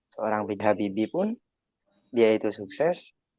seorang bgh bibi pun dia itu sukses